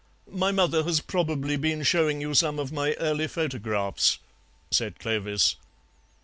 "My mother has probably been showing you some of my early photographs," said Clovis.